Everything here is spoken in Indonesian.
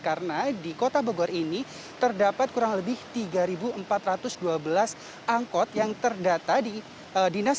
karena di kota bogor ini terdapat kurang lebih tiga empat ratus dua belas angkot yang terdata di dinas perwakilan